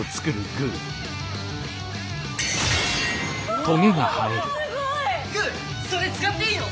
グーそれ使っていいの！？